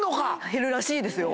減るらしいですよ。